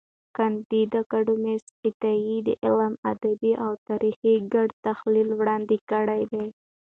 کانديد اکاډميسن عطایي د علم، ادب او تاریخ ګډ تحلیل وړاندي کړی دی.